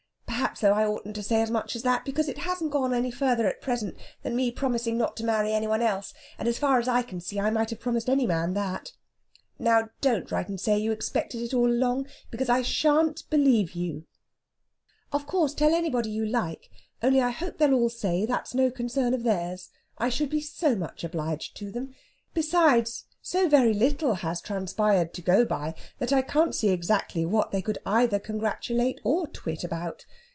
Perhaps, though, I oughtn't to say as much as that, because it hasn't gone any farther at present than me promising not to marry any one else, and as far as I can see I might have promised any man that. "Now, don't write and say you expected it all along, because I shan't believe you. "Of course, tell anybody you like only I hope they'll all say that's no concern of theirs. I should be so much obliged to them. Besides, so very little has transpired to go by that I can't see exactly what they could either congratulate or twit about.